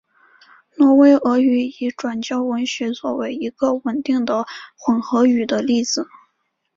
挪威俄语已转交文学作为一个稳定的混合语的例子。